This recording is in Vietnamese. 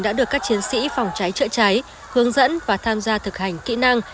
đã được các chiến sĩ phòng cháy trợ cháy hướng dẫn và tham gia thực hành kỹ năng